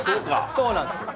そうなんですよ。